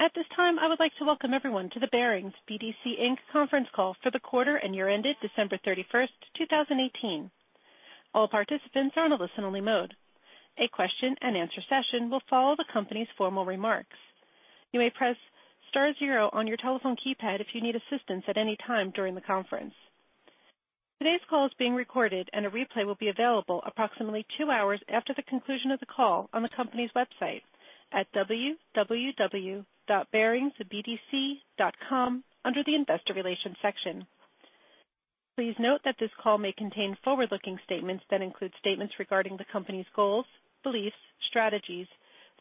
At this time, I would like to welcome everyone to the Barings BDC, Inc. conference call for the quarter and year-ended December 31st, 2018. All participants are on a listen-only mode. A question and answer session will follow the company's formal remarks. You may press star zero on your telephone keypad if you need assistance at any time during the conference. Today's call is being recorded, and a replay will be available approximately two hours after the conclusion of the call on the company's website at www.baringsbdc.com under the investor relations section. Please note that this call may contain forward-looking statements that include statements regarding the company's goals, beliefs, strategies,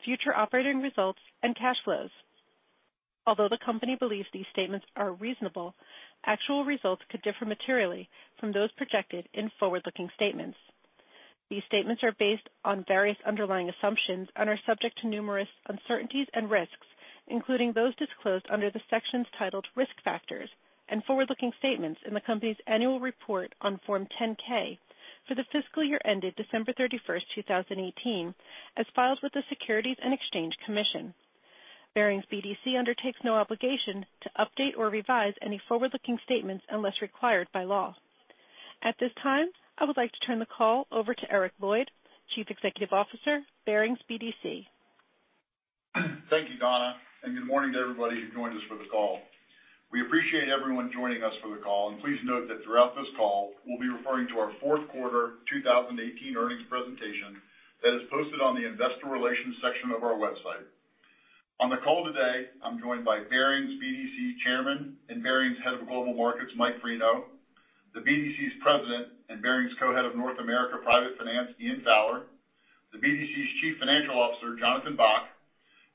future operating results, and cash flows. Although the company believes these statements are reasonable, actual results could differ materially from those projected in forward-looking statements. These statements are based on various underlying assumptions and are subject to numerous uncertainties and risks, including those disclosed under the sections titled Risk Factors and Forward-looking Statements in the company's annual report on Form 10-K for the fiscal year ended December 31st, 2018, as filed with the Securities and Exchange Commission. Barings BDC undertakes no obligation to update or revise any forward-looking statements unless required by law. At this time, I would like to turn the call over to Eric Lloyd, Chief Executive Officer, Barings BDC. Thank you, Donna. Good morning to everybody who joined us for the call. We appreciate everyone joining us for the call. Please note that throughout this call, we'll be referring to our fourth quarter 2018 earnings presentation that is posted on the investor relations section of our website. On the call today, I'm joined by Barings BDC Chairman and Barings Head of Global Markets, Mike Freno, the BDC's President and Barings Co-head of North America Private Finance, Ian Fowler, the BDC's Chief Financial Officer, John Bock,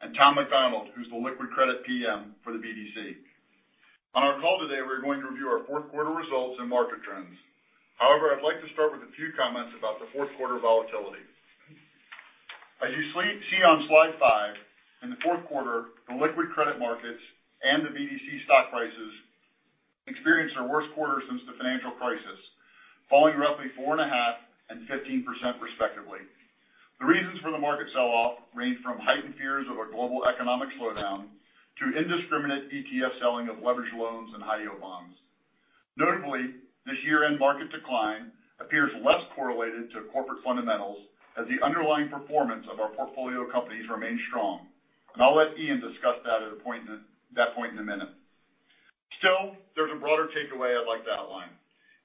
and Tom McDonald, who's the liquid credit PM for the BDC. On our call today, we're going to review our fourth quarter results and market trends. However, I'd like to start with a few comments about the fourth quarter volatility. As you see on slide five, in the fourth quarter, the liquid credit markets and the BDC stock prices experienced their worst quarter since the financial crisis, falling roughly four and a half and 15%, respectively. The reasons for the market sell-off range from heightened fears of a global economic slowdown to indiscriminate ETF selling of leveraged loans and high yield bonds. Notably, this year-end market decline appears less correlated to corporate fundamentals as the underlying performance of our portfolio companies remains strong. I'll let Ian discuss that at that point in a minute. Still, there's a broader takeaway I'd like to outline,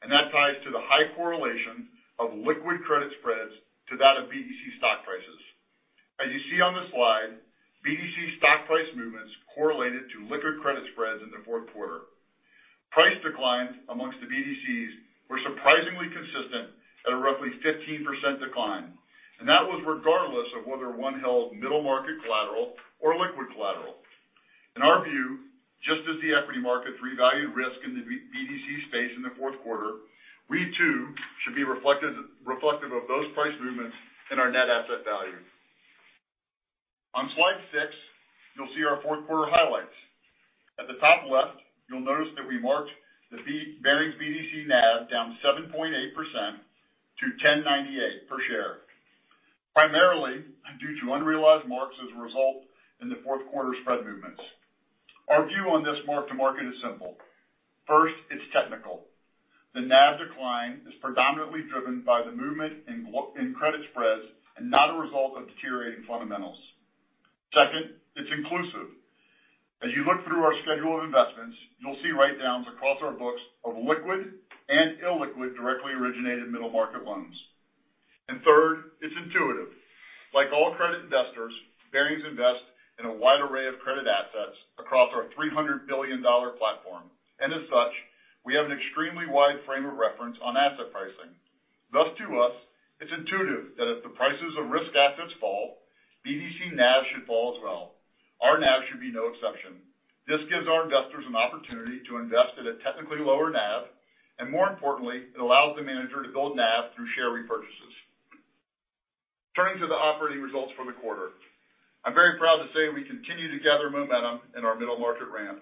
and that ties to the high correlation of liquid credit spreads to that of BDC stock prices. As you see on this slide, BDC stock price movements correlated to liquid credit spreads in the fourth quarter. Price declines amongst the BDCs were surprisingly consistent at a roughly 15% decline, that was regardless of whether one held middle market collateral or liquid collateral. In our view, just as the equity markets revalued risk in the BDC space in the fourth quarter, we, too, should be reflective of those price movements in our net asset value. On slide six, you'll see our fourth quarter highlights. At the top left, you'll notice that we marked the Barings BDC NAV down 7.8% to $10.98 per share, primarily due to unrealized marks as a result in the fourth quarter spread movements. Our view on this mark to market is simple. First, it's technical. The NAV decline is predominantly driven by the movement in credit spreads and not a result of deteriorating fundamentals. Second, it's inclusive. As you look through our schedule of investments, you'll see write-downs across our books of liquid and illiquid directly originated middle market loans. Third, it's intuitive. Like all credit investors, Barings invest in a wide array of credit assets across our $300 billion platform. As such, we have an extremely wide frame of reference on asset pricing. Thus, to us, it's intuitive that if the prices of risk assets fall, BDC NAV should fall as well. Our NAV should be no exception. This gives our investors an opportunity to invest at a technically lower NAV, more importantly, it allows the manager to build NAV through share repurchases. Turning to the operating results for the quarter. I'm very proud to say we continue to gather momentum in our middle market ramp.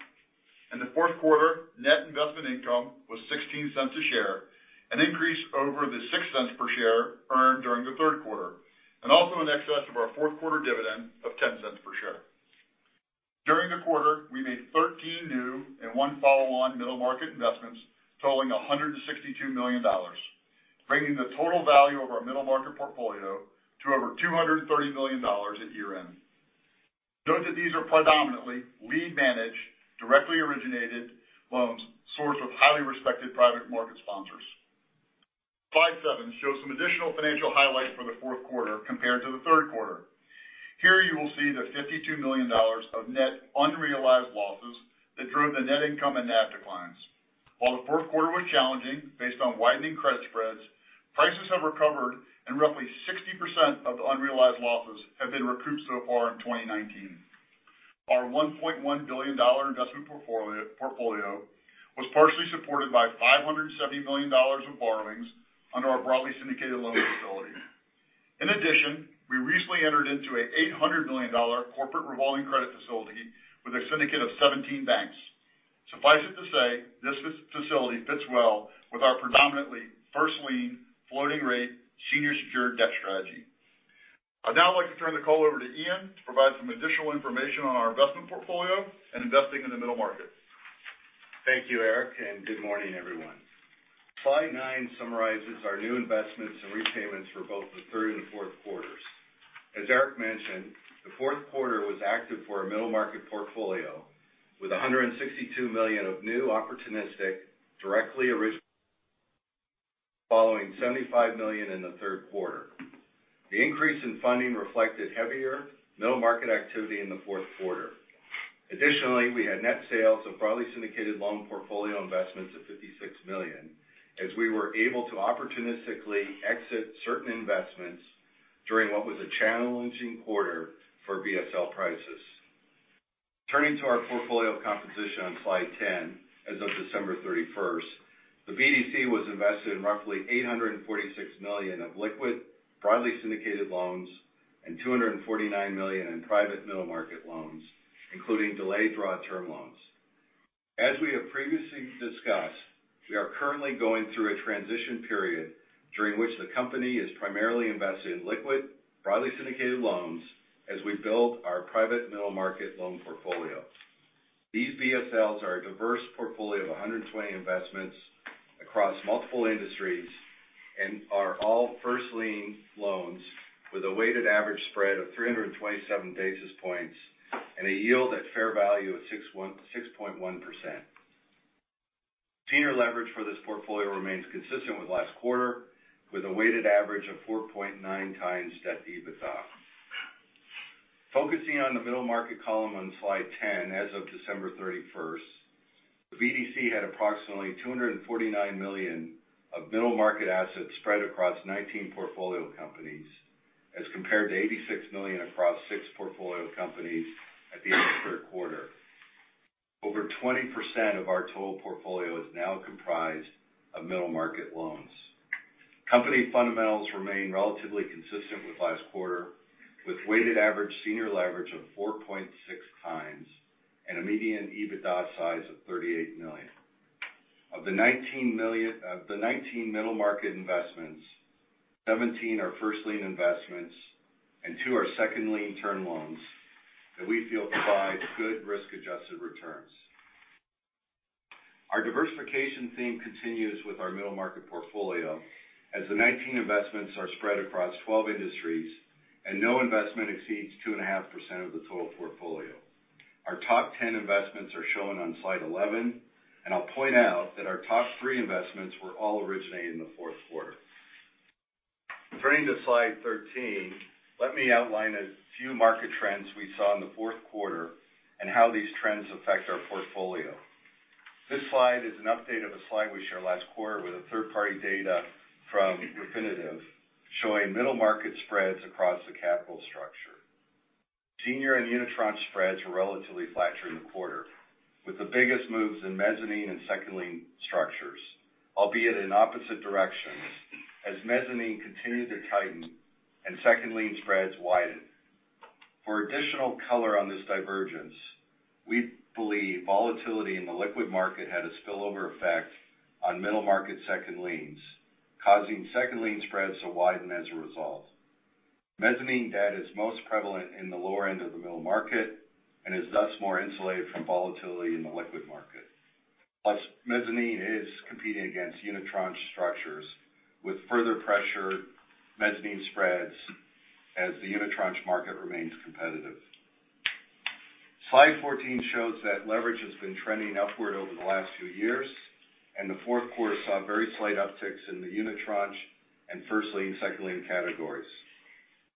In the fourth quarter, net investment income was $0.16 a share, an increase over the $0.06 per share earned during the third quarter, also in excess of our fourth quarter dividend of $0.10 per share. During the quarter, we made 13 new and one follow-on middle market investments totaling $162 million, bringing the total value of our middle market portfolio to over $230 million at year-end. Note that these are predominantly lead managed, directly originated loans sourced with highly respected private market sponsors. Slide seven shows some additional financial highlights for the fourth quarter compared to the third quarter. Here you will see the $52 million of net unrealized losses that drove the net income and NAV declines. While the fourth quarter was challenging based on widening credit spreads, prices have recovered, roughly 60% of the unrealized losses have been recouped so far in 2019. Our $1.1 billion investment portfolio was partially supported by $570 million in borrowings under our broadly syndicated loan facility. In addition, we recently entered into an $800 million corporate revolving credit facility with a syndicate of 17 banks. Suffice it to say, this facility fits well with our predominantly first lien floating rate senior secured debt strategy. I'd now like to turn the call over to Ian to provide some additional information on our investment portfolio and investing in the middle market. Thank you, Eric, and good morning, everyone. Slide nine summarizes our new investments and repayments for both the third and fourth quarters. As Eric mentioned, the fourth quarter was active for a middle market portfolio with $162 million of new opportunistic, directly originated following $75 million in the third quarter. The increase in funding reflected heavier middle market activity in the fourth quarter. Additionally, we had net sales of broadly syndicated loan portfolio investments of $56 million, as we were able to opportunistically exit certain investments during what was a challenging quarter for BSL prices. Turning to our portfolio composition on slide 10, as of December 31st, the BDC was invested in roughly $846 million of liquid broadly syndicated loans and $249 million in private middle market loans, including delayed draw term loans. As we have previously discussed, we are currently going through a transition period during which the company is primarily invested in liquid broadly syndicated loans as we build our private middle market loan portfolio. These BSLs are a diverse portfolio of 120 investments across multiple industries and are all first lien loans with a weighted average spread of 327 basis points and a yield at fair value of 6.1%. Senior leverage for this portfolio remains consistent with last quarter, with a weighted average of 4.9x debt EBITDA. Focusing on the middle market column on slide 10, as of December 31st, the BDC had approximately $249 million of middle market assets spread across 19 portfolio companies, as compared to $86 million across six portfolio companies at the end of third quarter. Over 20% of our total portfolio is now comprised of middle market loans. Company fundamentals remain relatively consistent with last quarter, with weighted average senior leverage of 4.6x and a median EBITDA size of $38 million. Of the 19 middle market investments, 17 are first lien investments and two are second lien term loans that we feel provide good risk-adjusted returns. Our diversification theme continues with our middle market portfolio as the 19 investments are spread across 12 industries and no investment exceeds 2.5% of the total portfolio. Our top 10 investments are shown on slide 11, and I'll point out that our top three investments were all originated in the fourth quarter. Turning to slide 13, let me outline a few market trends we saw in the fourth quarter and how these trends affect our portfolio. This slide is an update of a slide we shared last quarter with a third-party data from Refinitiv showing middle market spreads across the capital structure. Senior and unitranche spreads were relatively flat during the quarter, with the biggest moves in mezzanine and second lien structures, albeit in opposite directions, as mezzanine continued to tighten and second lien spreads widened. For additional color on this divergence, we believe volatility in the liquid market had a spillover effect on middle market second liens, causing second lien spreads to widen as a result. Mezzanine debt is most prevalent in the lower end of the middle market and is thus more insulated from volatility in the liquid market. Mezzanine is competing against unitranche structures with further pressure mezzanine spreads as the unitranche market remains competitive. Slide 14 shows that leverage has been trending upward over the last few years, and the fourth quarter saw very slight upticks in the unitranche and first lien, second lien categories.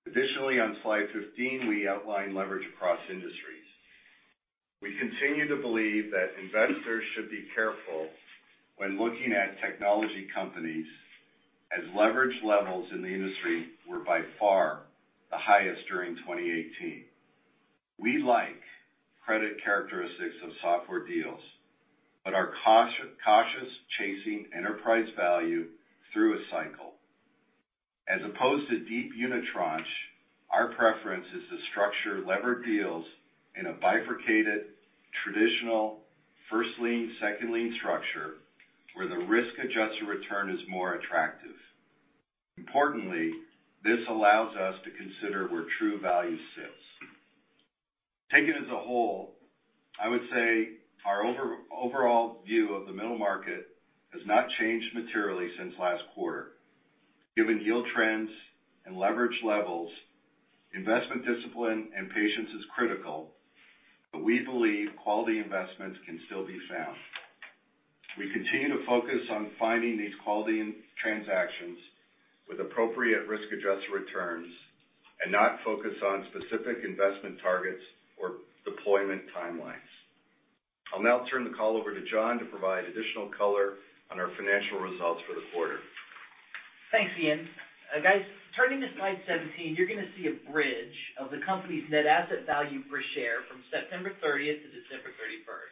Additionally, on slide 15, we outline leverage across industries. We continue to believe that investors should be careful when looking at technology companies as leverage levels in the industry were by far the highest during 2018. We like credit characteristics of software deals but are cautious chasing enterprise value through a cycle. As opposed to deep unitranche, our preference is to structure levered deals in a bifurcated, traditional first lien, second lien structure where the risk-adjusted return is more attractive. Importantly, this allows us to consider where true value sits. Taken as a whole, I would say our overall view of the middle market has not changed materially since last quarter. Given yield trends and leverage levels, investment discipline and patience is critical, but we believe quality investments can still be found. We continue to focus on finding these quality transactions with appropriate risk-adjusted returns and not focus on specific investment targets or deployment timelines. I'll now turn the call over to John to provide additional color on our financial results for the quarter. Thanks, Ian. Guys, turning to slide 17, you're going to see a bridge of the company's net asset value per share from September 30th to December 31st.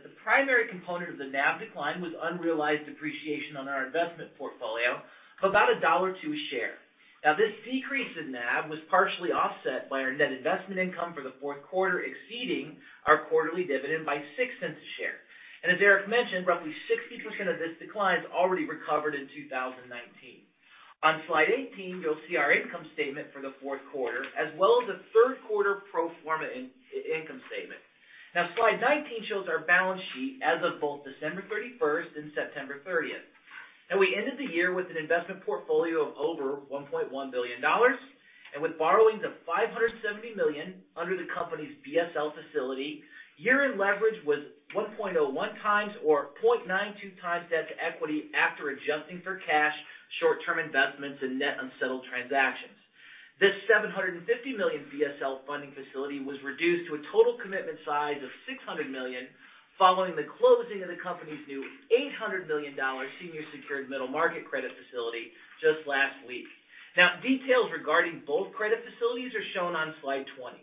The primary component of the NAV decline was unrealized depreciation on our investment portfolio of about $1.02 share. This decrease in NAV was partially offset by our net investment income for the fourth quarter, exceeding our quarterly dividend by $0.06 a share. As Eric mentioned, roughly 60% of this decline is already recovered in 2019. On slide 18, you'll see our income statement for the fourth quarter, as well as a third quarter pro forma income statement. Slide 19 shows our balance sheet as of both December 31st and September 30th. We ended the year with an investment portfolio of over $1.1 billion. With borrowings of $570 million under the company's BSL facility, year-end leverage was 1.01 times or 0.92 times debt to equity after adjusting for cash, short-term investments and net unsettled transactions. This $750 million BSL funding facility was reduced to a total commitment size of $600 million following the closing of the company's new $800 million senior secured middle market credit facility just last week. Details regarding both credit facilities are shown on slide 20.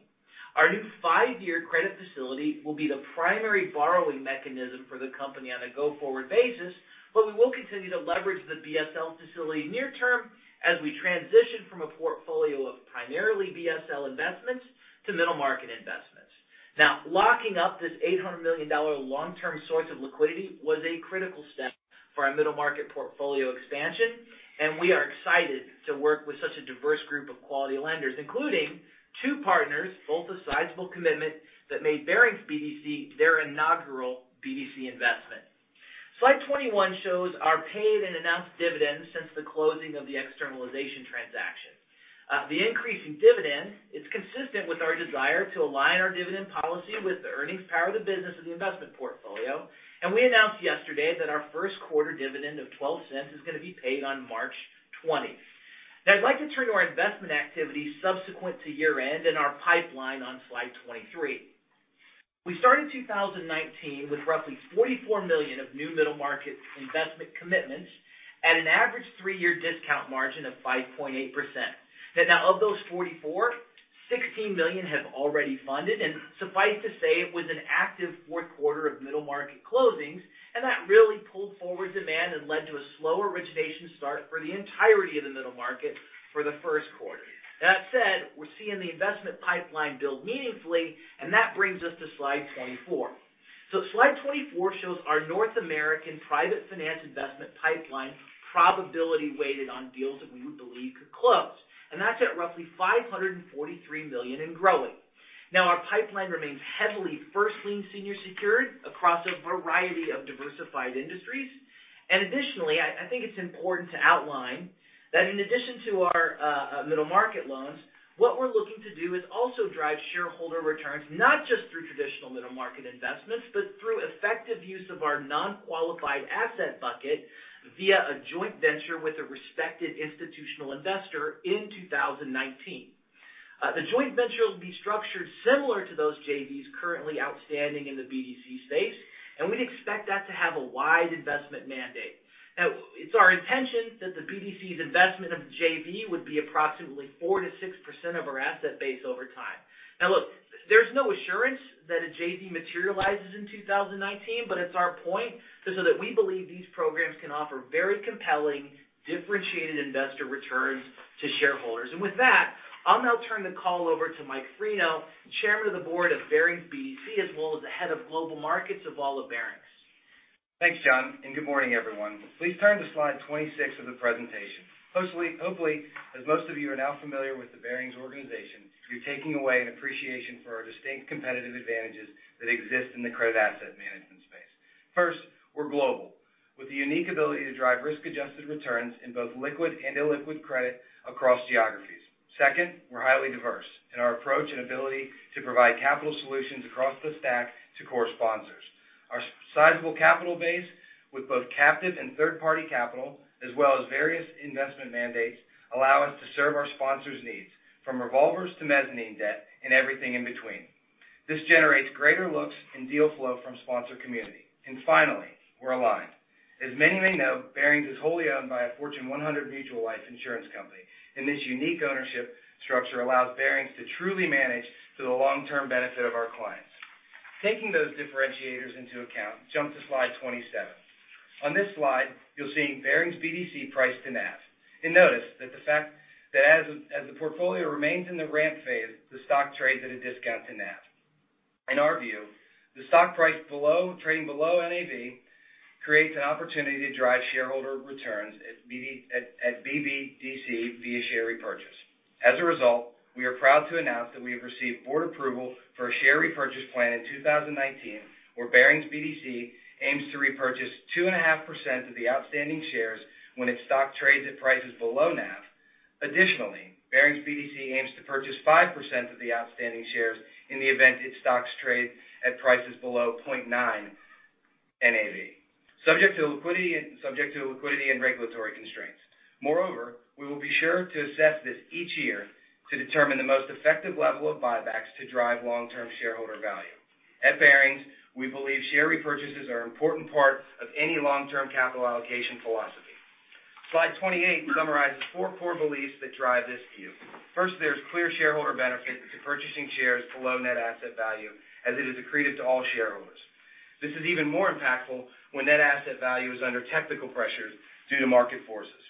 Our new five-year credit facility will be the primary borrowing mechanism for the company on a go-forward basis, but we will continue to leverage the BSL facility near term as we transition from a portfolio of primarily BSL investments to middle market investments. Locking up this $800 million long-term source of liquidity was a critical step for our middle market portfolio expansion, and we are excited to work with such a diverse group of quality lenders, including two partners, both a sizable commitment that made Barings BDC their inaugural BDC investment. Slide 21 shows our paid and announced dividends since the closing of the externalization transaction. The increase in dividends is consistent with our desire to align our dividend policy with the earnings power of the business of the investment portfolio. We announced yesterday that our first quarter dividend of $0.12 is going to be paid on March 20th. I'd like to turn to our investment activity subsequent to year-end and our pipeline on slide 23. We started 2019 with roughly $44 million of new middle market investment commitments at an average three-year discount margin of 5.8%. Of those 44, $16 million have already funded, suffice to say, it was an active fourth quarter of middle market closings, that really pulled forward demand and led to a slow origination start for the entirety of the middle market for the first quarter. That said, we're seeing the investment pipeline build meaningfully that brings us to slide 24. Slide 24 shows our North America Private Finance investment pipeline probability weighted on deals that we would believe could close. That's at roughly $543 million and growing. Our pipeline remains heavily first lien senior secured across a variety of diversified industries. Additionally, I think it's important to outline that in addition to our middle market loans, what we're looking to do is also drive shareholder returns, not just through traditional middle market investments, but through effective use of our non-qualified asset bucket via a joint venture with a respected institutional investor in 2019. The joint venture will be structured similar to those JVs currently outstanding in the BDC space, we'd expect that to have a wide investment mandate. It's our intention that the BDC's investment of JV would be approximately 4%-6% of our asset base over time. Look, there's no assurance that a JV materializes in 2019. It's our point so that we believe these programs can offer very compelling, differentiated investor returns to shareholders. With that, I'll now turn the call over to Mike Freno, Chairman of the Board of Barings BDC as well as the Head of Global Markets of all of Barings. Thanks, John, and good morning, everyone. Please turn to slide 26 of the presentation. Hopefully, as most of you are now familiar with the Barings organization, you are taking away an appreciation for our distinct competitive advantages that exist in the credit asset management space. First, we are global with the unique ability to drive risk-adjusted returns in both liquid and illiquid credit across geographies. Second, we are highly diverse in our approach and ability to provide capital solutions across the stack to core sponsors. Our sizable capital base with both captive and third-party capital, as well as various investment mandates, allow us to serve our sponsors needs, from revolvers to mezzanine debt and everything in between. This generates greater looks and deal flow from sponsor community. Finally, we are aligned. As many may know, Barings is wholly owned by a Fortune 100 mutual life insurance company, this unique ownership structure allows Barings to truly manage to the long-term benefit of our clients. Taking those differentiators into account, jump to slide 27. On this slide, you are seeing Barings BDC price to NAV. Notice that as the portfolio remains in the ramp phase, the stock trades at a discount to NAV. In our view, the stock price trading below NAV creates an opportunity to drive shareholder returns at BBDC via share repurchase. As a result, we are proud to announce that we have received board approval for a share repurchase plan in 2019, where Barings BDC aims to repurchase 2.5% of the outstanding shares when its stock trades at prices below NAV. Additionally, Barings BDC aims to purchase 5% of the outstanding shares in the event its stocks trade at prices below 0.9 NAV, subject to liquidity and regulatory constraints. Moreover, we will be sure to assess this each year to determine the most effective level of buybacks to drive long-term shareholder value. At Barings, we believe share repurchases are an important part of any long-term capital allocation philosophy. Slide 28 summarizes four core beliefs that drive this view. First, there is clear shareholder benefit to purchasing shares below net asset value as it is accreted to all shareholders. This is even more impactful when net asset value is under technical pressures due to market forces.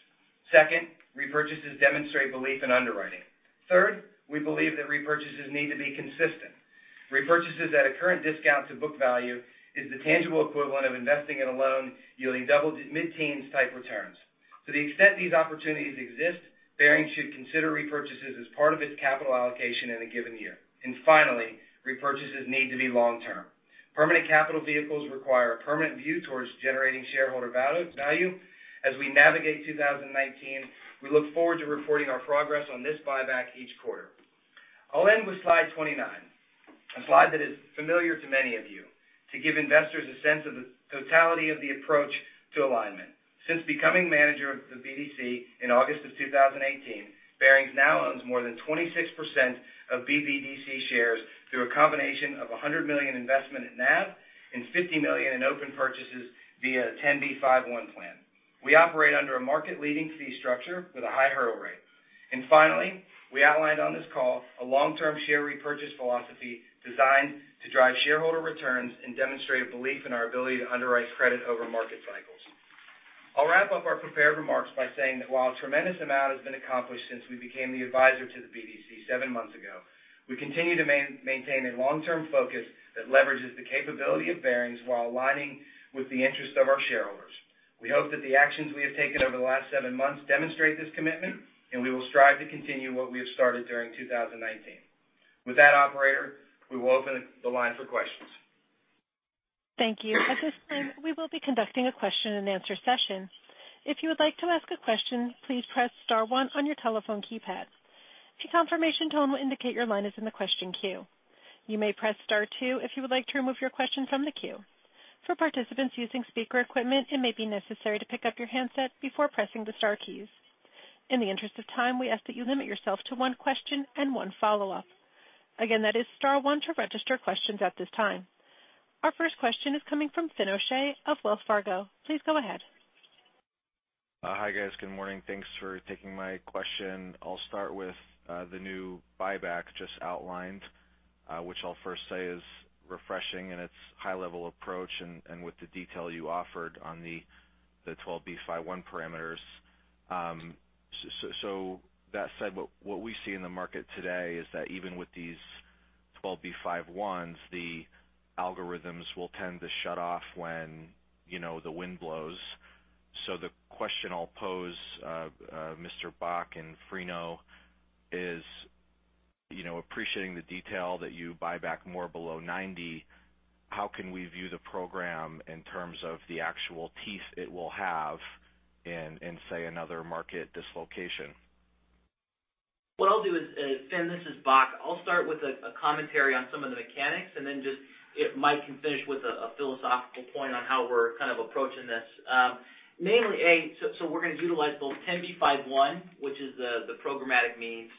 Second, repurchases demonstrate belief in underwriting. Third, we believe that repurchases need to be consistent. Repurchases at a current discount to book value is the tangible equivalent of investing in a loan yielding mid-teens type returns. To the extent these opportunities exist, Barings should consider repurchases as part of its capital allocation in a given year. Finally, repurchases need to be long-term. Permanent capital vehicles require a permanent view towards generating shareholder value. As we navigate 2019, we look forward to reporting our progress on this buyback each quarter. I will end with slide 29, a slide that is familiar to many of you to give investors a sense of the totality of the approach to alignment. Since becoming manager of the BDC in August of 2018, Barings now owns more than 26% of BBDC shares through a combination of $100 million investment in NAV and $50 million in open purchases via a 10b5-1 plan. We operate under a market-leading fee structure with a high hurdle rate. We outlined on this call a long-term share repurchase philosophy designed to drive shareholder returns and demonstrate a belief in our ability to underwrite credit over market cycles. I'll wrap up our prepared remarks by saying that while a tremendous amount has been accomplished since we became the advisor to the BDC seven months ago, we continue to maintain a long-term focus that leverages the capability of Barings while aligning with the interest of our shareholders. We hope that the actions we have taken over the last seven months demonstrate this commitment, and we will strive to continue what we have started during 2019. With that, operator, we will open the line for questions. Thank you. At this time, we will be conducting a question and answer session. If you would like to ask a question, please press star one on your telephone keypad. A confirmation tone will indicate your line is in the question queue. You may press star two if you would like to remove your question from the queue. For participants using speaker equipment, it may be necessary to pick up your handset before pressing the star keys. In the interest of time, we ask that you limit yourself to one question and one follow-up. Again, that is star one to register questions at this time. Our first question is coming from Finian O'Shea of Wells Fargo. Please go ahead. Hi, guys. Good morning. Thanks for taking my question. I'll start with the new buyback just outlined, which I'll first say is refreshing in its high-level approach and with the detail you offered on the 10b5-1 parameters. That said, what we see in the market today is that even with these 10b5-1s, the algorithms will tend to shut off when the wind blows. The question I'll pose, Mr. Bock and Freno, is appreciating the detail that you buy back more below 90, how can we view the program in terms of the actual teeth it will have in, say, another market dislocation? Fin, this is Bock. I'll start with a commentary on some of the mechanics and then just if Mike can finish with a philosophical point on how we're kind of approaching this. We're going to utilize both 10b5-1, which is the programmatic means,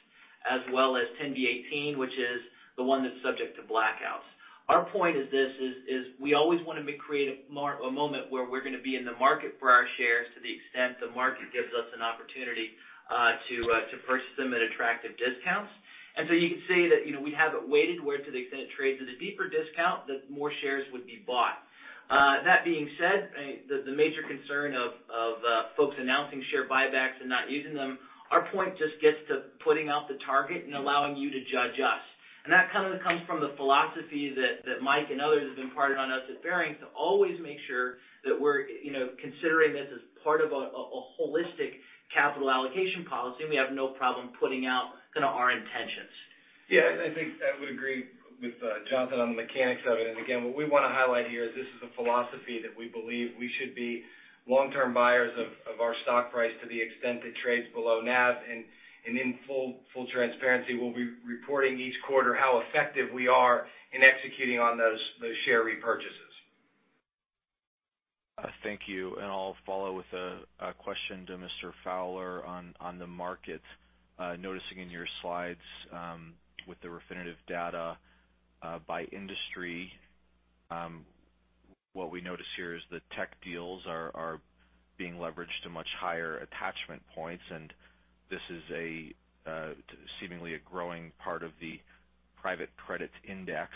as well as 10b-18, which is the one that's subject to blackouts. Our point is this, is we always want to create a moment where we're going to be in the market for our shares to the extent the market gives us an opportunity to purchase them at attractive discounts. You can see that we have it weighted where to the extent it trades at a deeper discount, that more shares would be bought. That being said, the major concern of folks announcing share buybacks and not using them, our point just gets to putting out the target and allowing you to judge us. That kind of comes from the philosophy that Mike and others have imparted on us at Barings to always make sure that we're considering this as part of a holistic capital allocation policy, and we have no problem putting out kind of our intentions. Yeah. I think I would agree with John on the mechanics of it. Again, what we want to highlight here is this is a philosophy that we believe we should be long-term buyers of our stock price to the extent it trades below NAV. In full transparency, we'll be reporting each quarter how effective we are in executing on those share repurchases. Thank you. I'll follow with a question to Mr. Fowler on the market. Noticing in your slides with the Refinitiv data by industry, what we notice here is that tech deals are being leveraged to much higher attachment points, and this is seemingly a growing part of the private credit index.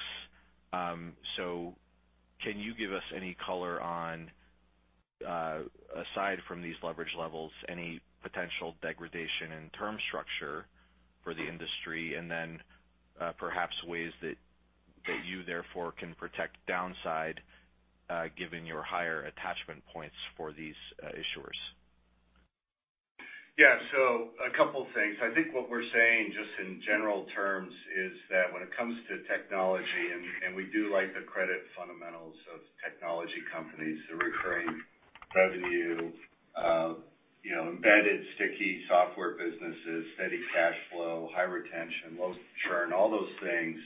Can you give us any color on, aside from these leverage levels, any potential degradation in term structure for the industry, and then perhaps ways that you therefore can protect downside given your higher attachment points for these issuers? Yeah. A couple of things. I think what we're saying just in general terms is that when it comes to technology, and we do like the credit fundamentals of technology companies, the recurring revenue, embedded sticky software businesses, steady cash flow, high retention, low churn, all those things,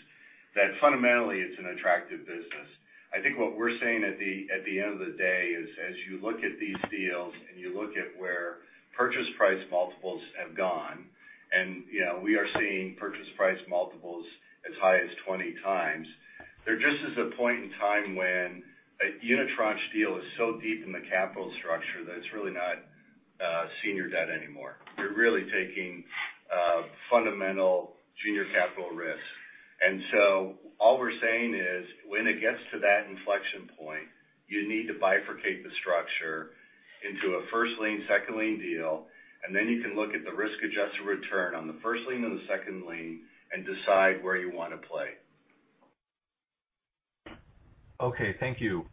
that fundamentally it's an attractive business. I think what we're saying at the end of the day is as you look at these deals and you look at where purchase price multiples have gone. We are seeing purchase price multiples as high as 20 times. There just is a point in time when a unitranche deal is so deep in the capital structure that it's really not senior debt anymore. You're really taking fundamental junior capital risk. All we're saying is when it gets to that inflection point, you need to bifurcate the structure into a first lien, second lien deal, then you can look at the risk-adjusted return on the first lien and the second lien and decide where you want to play. Okay. Thank you.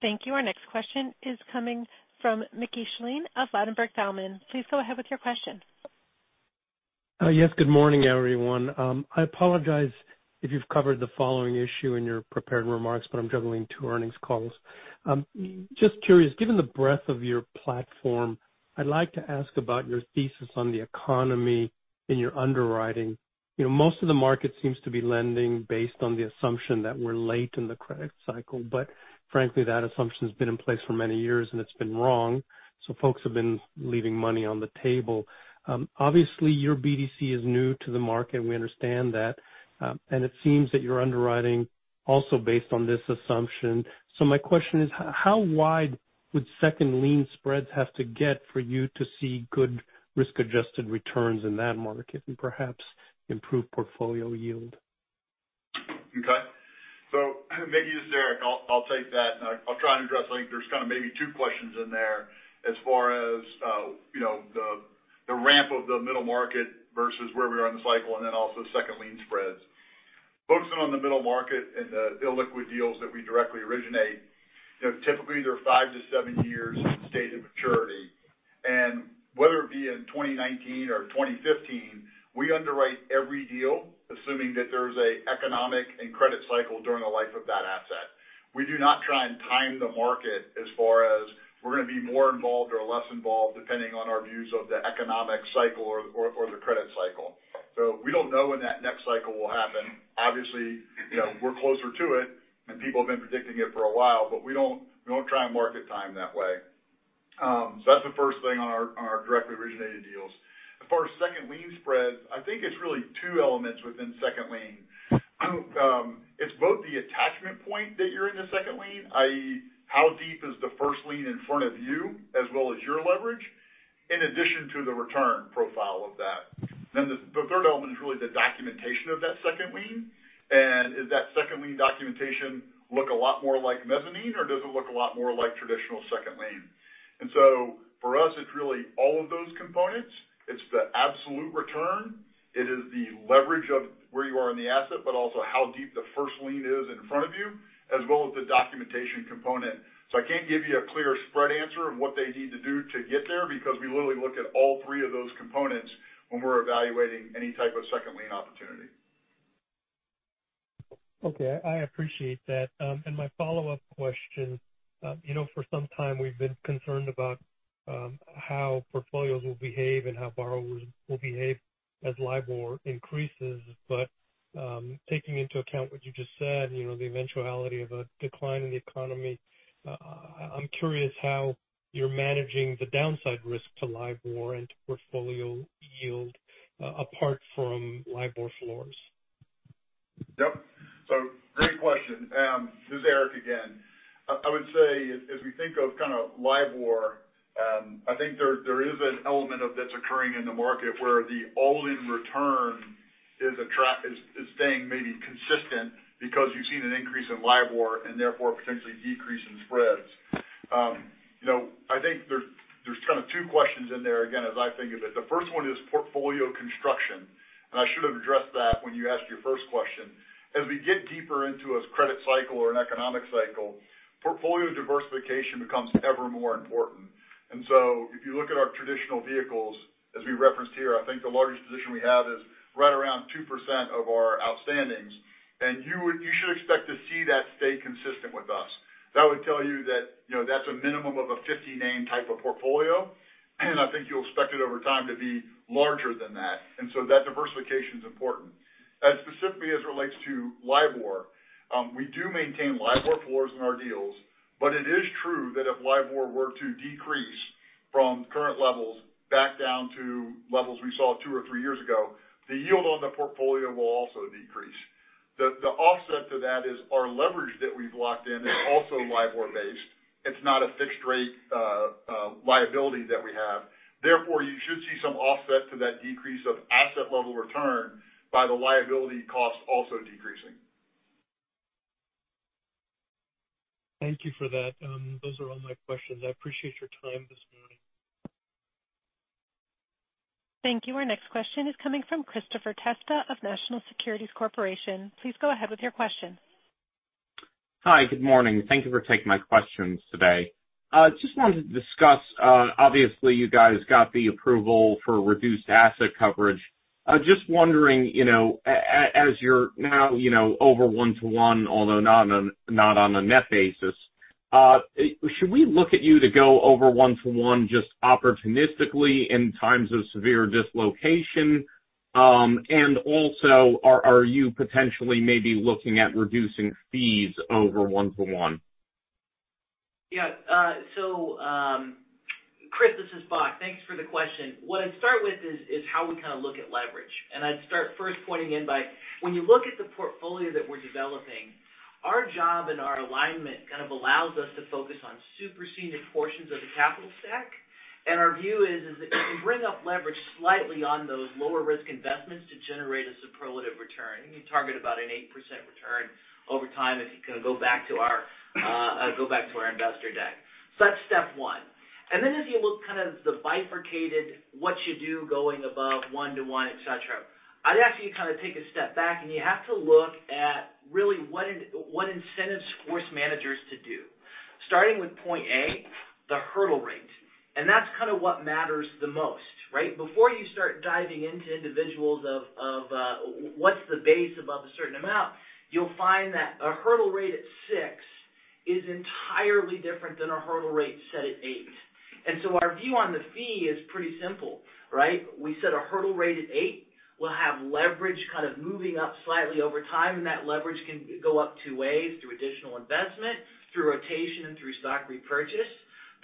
Thank you. Our next question is coming from Mickey Schleien of Ladenburg Thalmann. Please go ahead with your question. Yes. Good morning, everyone. I apologize if you've covered the following issue in your prepared remarks, but I'm juggling two earnings calls. Just curious, given the breadth of your platform, I'd like to ask about your thesis on the economy in your underwriting. Most of the market seems to be lending based on the assumption that we're late in the credit cycle. Frankly, that assumption's been in place for many years, and it's been wrong. Folks have been leaving money on the table. Obviously, your BDC is new to the market. We understand that. It seems that you're underwriting also based on this assumption. My question is, how wide would second lien spreads have to get for you to see good risk-adjusted returns in that market and perhaps improve portfolio yield? Okay. Mickey, this is Eric. I'll take that, I'll try and address, I think there's kind of maybe two questions in there as far as the ramp of the middle market versus where we are in the cycle then also second lien spreads. Focusing on the middle market and the illiquid deals that we directly originate, typically they're five to seven years state of maturity. Whether it be in 2019 or 2015, we underwrite every deal assuming that there's an economic and credit cycle during the life of that asset. We do not try and time the market as far as we're going to be more involved or less involved depending on our views of the economic cycle or the credit cycle. We don't know when that next cycle will happen. Obviously, we're closer to it people have been predicting it for a while, we don't try and market time that way. That's the first thing on our directly originated deals. As far as second lien spreads, I think it's really two elements within second lien. It's both the attachment point that you're in the second lien, i.e., how deep is the first lien in front of you as well as your leverage, in addition to the return profile of that. The third element is really the documentation of that second lien. Does that second lien documentation look a lot more like mezzanine, or does it look a lot more like traditional second lien? For us, it's really all of those components. It's the absolute return. It is the leverage of where you are in the asset, also how deep the first lien is in front of you, as well as the documentation component. I can't give you a clear spread answer of what they need to do to get there because we literally look at all three of those components when we're evaluating any type of second lien opportunity. Okay. I appreciate that. My follow-up question. For some time we've been concerned about how portfolios will behave and how borrowers will behave as LIBOR increases. Taking into account what you just said, the eventuality of a decline in the economy, I'm curious how you're managing the downside risk to LIBOR and to portfolio yield, apart from LIBOR floors. Yep. Great question. This is Eric again. I would say as we think of kind of LIBOR, I think there is an element of that's occurring in the market where the all-in return is staying maybe consistent because you've seen an increase in LIBOR and therefore potentially a decrease in spreads. I think there's kind of two questions in there, again, as I think of it. The first one is portfolio construction. I should have addressed that when you asked your first question. As we get deeper into a credit cycle or an economic cycle, portfolio diversification becomes ever more important. If you look at our traditional vehicles, as we referenced here, I think the largest position we have is right around 2% of our outstanding's. You should expect to see that stay consistent with us. That would tell you that's a minimum of a 50-name type of portfolio. I think you'll expect it over time to be larger than that. That diversification's important. Specifically as it relates to LIBOR, we do maintain LIBOR floors in our deals, but it is true that if LIBOR were to decrease from current levels back down to levels we saw two or three years ago, the yield on the portfolio will also decrease. The offset to that is our leverage that we've locked in is also LIBOR-based. It's not a fixed-rate liability that we have. Therefore, you should see some offset to that decrease of asset level return by the liability cost also decreasing. Thank you for that. Those are all my questions. I appreciate your time this morning. Thank you. Our next question is coming from Christopher Testa of National Securities Corporation. Please go ahead with your question. Hi. Good morning. Thank you for taking my questions today. Wanted to discuss, obviously you guys got the approval for reduced asset coverage. Wondering, as you're now over one to one, although not on a net basis, should we look at you to go over one to one just opportunistically in times of severe dislocation? Are you potentially maybe looking at reducing fees over one to one? Yeah. Chris, this is Bock. Thanks for the question. What I'd start with is how we kind of look at leverage. I'd start first pointing in by when you look at the portfolio that we're developing, our job and our alignment kind of allows us to focus on super senior portions of the capital stack. Our view is that you can bring up leverage slightly on those lower risk investments to generate a superlative return. You target about an 8% return over time, if you kind of go back to our investor deck. That's step one. As you look kind of the bifurcated, what you do going above one-to-one, et cetera, I'd ask you to kind of take a step back, and you have to look at really what incentives force managers to do. Starting with point A, the hurdle rate, that's kind of what matters the most, right? Before you start diving into individuals of what's the base above a certain amount, you'll find that a hurdle rate at six is entirely different than a hurdle rate set at eight. Our view on the fee is pretty simple, right? We set a hurdle rate at eight. We'll have leverage kind of moving up slightly over time, that leverage can go up two ways: through additional investment, through rotation, and through stock repurchase.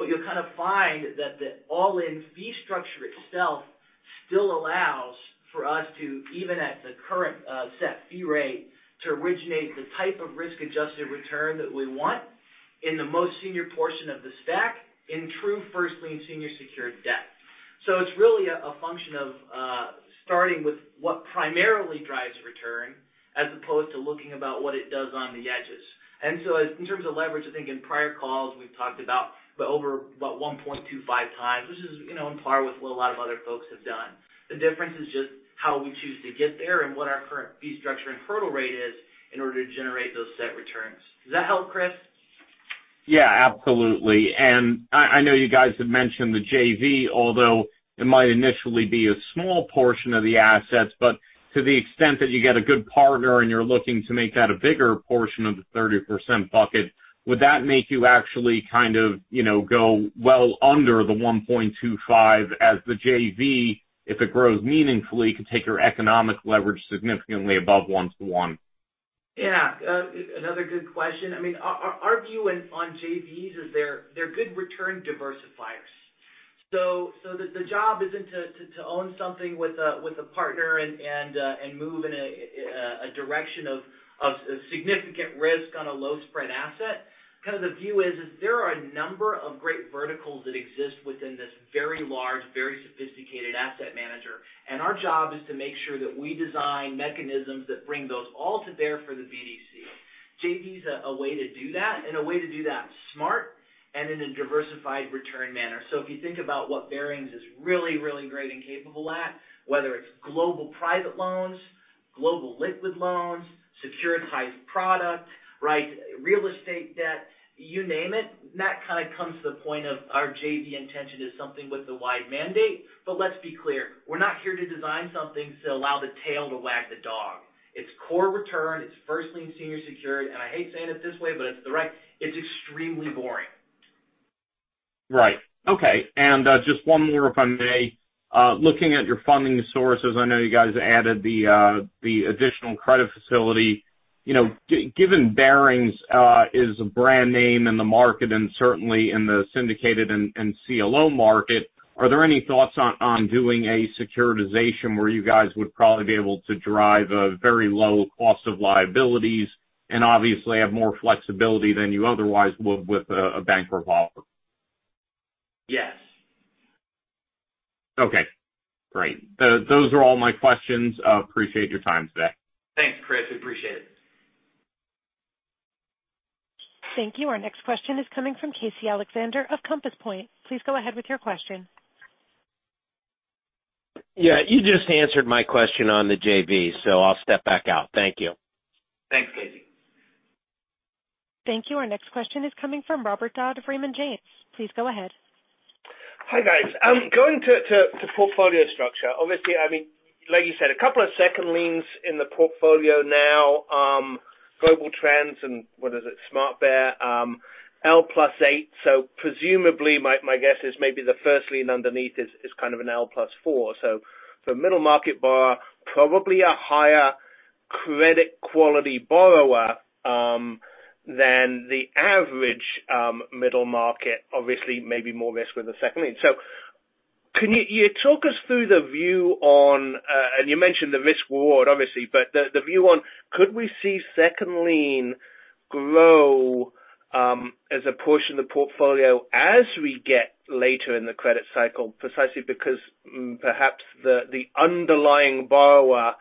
You'll kind of find that the all-in fee structure itself still allows for us to, even at the current set fee rate, to originate the type of risk-adjusted return that we want in the most senior portion of the stack in true first lien senior secured debt. It's really a function of starting with what primarily drives return as opposed to looking about what it does on the edges. In terms of leverage, I think in prior calls, we've talked about the over, what, 1.25 times, which is in par with what a lot of other folks have done. The difference is just how we choose to get there and what our current fee structure and hurdle rate is in order to generate those set returns. Does that help, Chris? Absolutely. I know you guys have mentioned the JV, although it might initially be a small portion of the assets. To the extent that you get a good partner and you're looking to make that a bigger portion of the 30% bucket, would that make you actually kind of go well under the 1.25 as the JV, if it grows meaningfully, could take your economic leverage significantly above one-to-one? Another good question. Our view on JVs is they're good return diversifiers. The job isn't to own something with a partner and move in a direction of significant risk on a low spread asset. Kind of the view is, there are a number of great verticals that exist within this very large, very sophisticated asset manager. Our job is to make sure that we design mechanisms that bring those all to bear for the BDC. JV is a way to do that and a way to do that smart and in a diversified return manner. If you think about what Barings is really, really great and capable at, whether it's global private loans, global liquid loans, securitized product, real estate debt, you name it, and that kind of comes to the point of our JV intention is something with a wide mandate. Let's be clear. We're not here to design something to allow the tail to wag the dog. It's core return. It's first lien, senior secured. I hate saying it this way, but it's extremely boring. Right. Okay. Just one more, if I may. Looking at your funding sources, I know you guys added the additional credit facility. Given Barings is a brand name in the market and certainly in the syndicated and CLO market, are there any thoughts on doing a securitization where you guys would probably be able to drive a very low cost of liabilities and obviously have more flexibility than you otherwise would with a bank revolver? Yes. Okay, great. Those are all my questions. Appreciate your time today. Thanks, Chris. We appreciate it. Thank you. Our next question is coming from Casey Alexander of Compass Point. Please go ahead with your question. Yeah. You just answered my question on the JV, I'll step back out. Thank you. Thanks, Casey. Thank you. Our next question is coming from Robert Dodd of Raymond James. Please go ahead. Hi, guys. Going to portfolio structure. Obviously, like you said, a couple of second liens in the portfolio now. Global trends and what is it? SmartBear, L plus eight. Presumably, my guess is maybe the first lien underneath is kind of an L plus four. For middle market borrower, probably a higher credit quality borrower than the average middle market. Obviously, maybe more risk with a second lien. You mentioned the risk reward, obviously. The view on could we see second lien grow as a portion of the portfolio as we get later in the credit cycle? Precisely because perhaps the underlying borrower,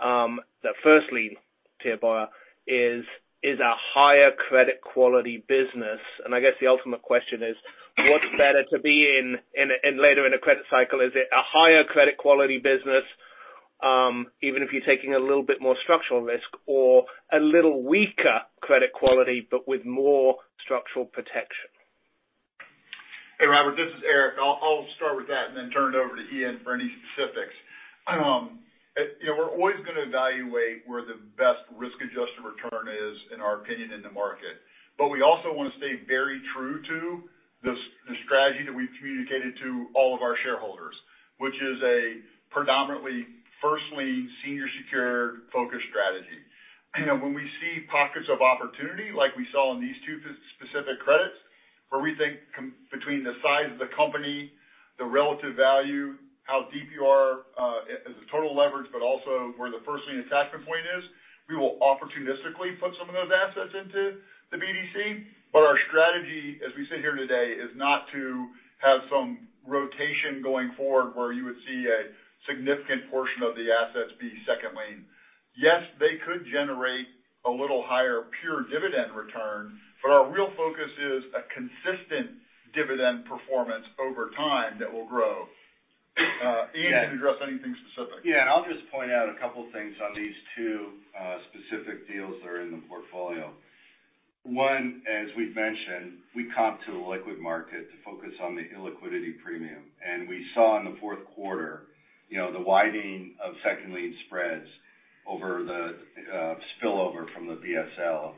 the first lien tier borrower is a higher credit quality business. I guess the ultimate question is, what's better to be in later in a credit cycle? Is it a higher credit quality business even if you're taking a little bit more structural risk or a little weaker credit quality, but with more structural protection? Hey, Robert. This is Eric. I'll start with that and then turn it over to Ian for any specifics. We're always going to evaluate where the best risk-adjusted return is, in our opinion, in the market. We also want to stay very true to the strategy that we've communicated to all of our shareholders, which is a predominantly, first lien, senior secured, focused strategy. When we see pockets of opportunity, like we saw in these two specific credits, where we think between the size of the company, the relative value, how deep you are as a total leverage, but also where the first lien attachment point is. We will opportunistically put some of those assets into the BDC. Our strategy, as we sit here today, is not to have some rotation going forward where you would see a significant portion of the assets be second lien. Yes, they could generate a little higher pure dividend return, but our real focus is a consistent dividend performance over time that will grow. Ian can address anything specific. I'll just point out a couple things on these two specific deals that are in the portfolio. One, as we've mentioned, we comp to the liquid market to focus on the illiquidity premium. We saw in the fourth quarter, the widening of second lien spreads over the spillover from the BSL.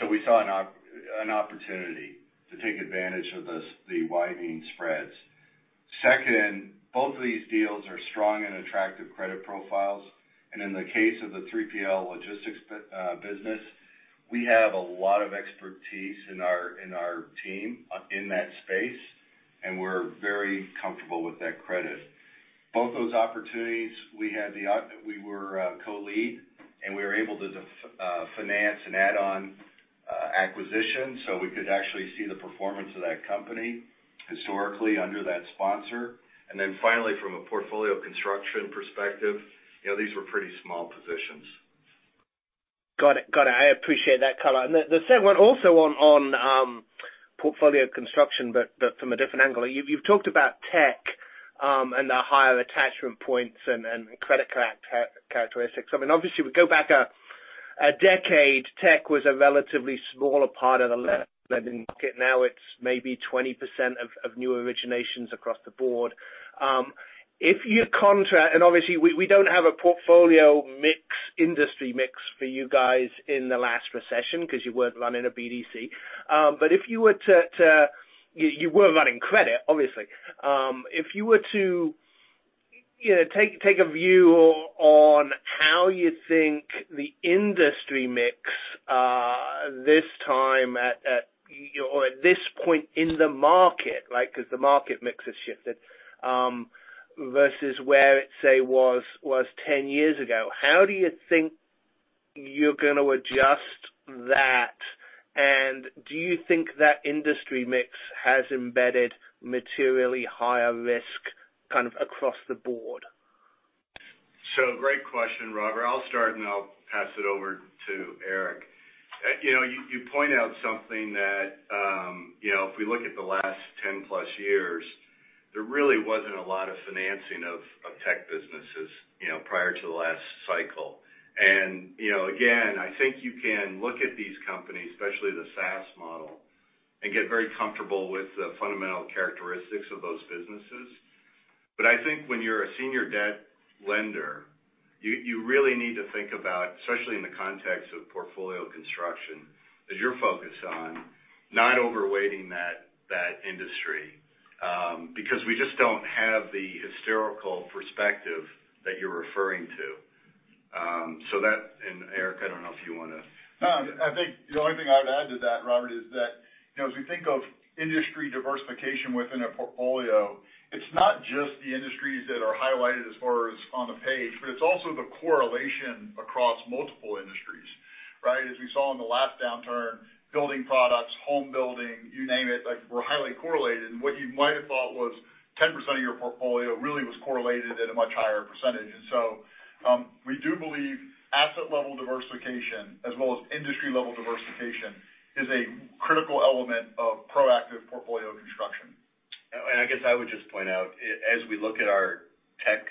So we saw an opportunity to take advantage of the widening spreads. Second, both of these deals are strong and attractive credit profiles. In the case of the 3PL logistics business, we have a lot of expertise in our team in that space, and we're very comfortable with that credit. Both those opportunities, we were co-lead, and we were able to finance an add-on acquisition, so we could actually see the performance of that company historically under that sponsor. Finally, from a portfolio construction perspective, these were pretty small positions. Got it. I appreciate that color. The third one, also on portfolio construction, but from a different angle. You've talked about tech and the higher attachment points and credit characteristics. I mean, obviously, we go back a decade, tech was a relatively smaller part of the lending market. Now it's maybe 20% of new originations across the board. If you and obviously, we don't have a portfolio mix, industry mix for you guys in the last recession because you weren't running a BDC. If you were to you were running credit, obviously. If you were to take a view on how you think the industry mix this time or at this point in the market, because the market mix has shifted, versus where it, say, was 10 years ago. How do you think you're going to adjust that? Do you think that industry mix has embedded materially higher risk across the board? Great question, Robert. I'll start, and I'll pass it over to Eric. You point out something that if we look at the last 10 plus years, there really wasn't a lot of financing of tech businesses prior to the last cycle. Again, I think you can look at these companies, especially the SaaS model, and get very comfortable with the fundamental characteristics of those businesses. I think when you're a senior debt lender, you really need to think about, especially in the context of portfolio construction, is you're focused on not overweighting that industry. We just don't have the historical perspective that you're referring to. That, and Eric, I don't know if you want to. No. I think the only thing I would add to that, Robert, is that, as we think of industry diversification within a portfolio, it's not just the industries that are highlighted as far as on the page, but it's also the correlation across multiple industries, right? As we saw in the last downturn, building products, home building, you name it, were highly correlated. What you might have thought was 10% of your portfolio really was correlated at a much higher percentage. We do believe asset level diversification as well as industry level diversification is a critical element of proactive portfolio construction. I guess I would just point out, as we look at our tech,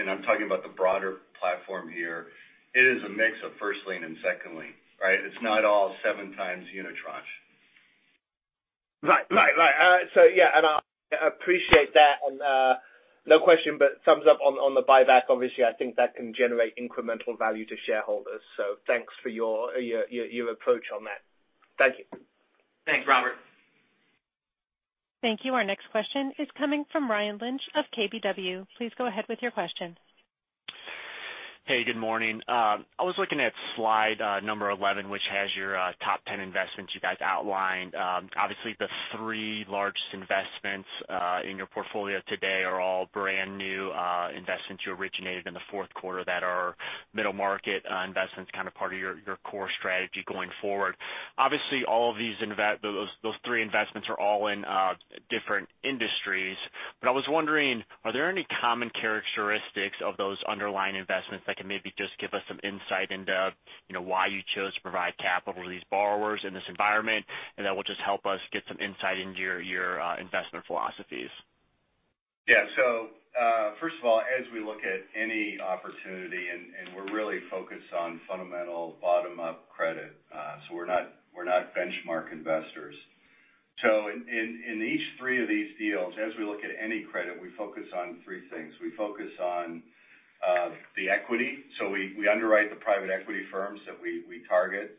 and I'm talking about the broader platform here, it is a mix of first lien and second lien, right? It's not all 7x unitranche. Right. Yeah. I appreciate that. No question, but thumbs up on the buyback. Obviously, I think that can generate incremental value to shareholders. Thanks for your approach on that. Thank you. Thanks, Robert. Thank you. Our next question is coming from Ryan Lynch of KBW. Please go ahead with your question. Hey, good morning. I was looking at slide number 11, which has your top 10 investments you guys outlined. Obviously, the three largest investments in your portfolio today are all brand new investments you originated in the fourth quarter that are middle market investments, kind of part of your core strategy going forward. Obviously, all of those three investments are all in different industries. I was wondering, are there any common characteristics of those underlying investments that can maybe just give us some insight into why you chose to provide capital to these borrowers in this environment, and that will just help us get some insight into your investment philosophies. First of all, as we look at any opportunity, we're really focused on fundamental bottom-up credit. We're not benchmark investors. In each three of these deals, as we look at any credit, we focus on three things. We focus on the equity. We underwrite the private equity firms that we target.